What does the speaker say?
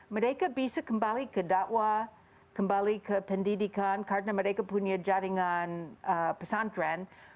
mereka bisa kembali ke dakwah kembali ke pendidikan karena mereka punya jaringan pesantren